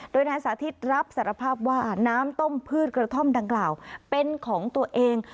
โดยนายสาธิตรับสารภาพว่าน้ำต้มพืชกระท่อมดังกล่าวเป็นของตัวเอง